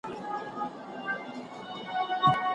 ښوونکي باید رښتیا ووایي.